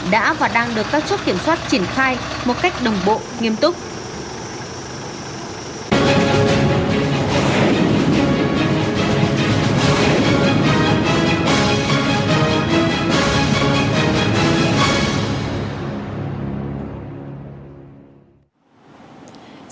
đã và đang được các chốt kiểm soát triển khai một cách đồng bộ nghiêm túc